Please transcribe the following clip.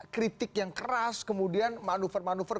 kritik yang keras kemudian manuver manuver